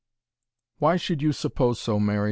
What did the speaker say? "Why should you suppose so, Mary?"